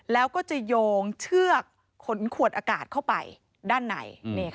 แล้วก็จะโยงเชือกขนขวดอากาศเข้าไปด้านใน